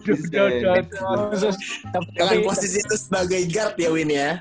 tapi posisi itu sebagai guard ya win ya